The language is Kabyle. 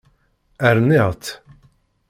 Rniɣ-tt.